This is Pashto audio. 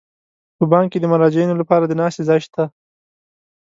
په بانک کې د مراجعینو لپاره د ناستې ځای شته.